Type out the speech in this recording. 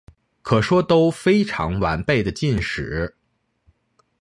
可说都非完备的晋史。